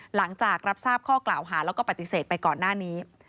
หลังจากรับทราบข้อกล่าวหาแล้วก็ปฏิเสธไปก่อนหน้านี้